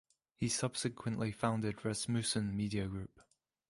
He subsequently founded Rasmussen Media Group.